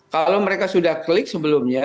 kalau mereka sudah klik sebelumnya